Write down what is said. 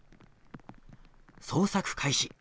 捜索開始。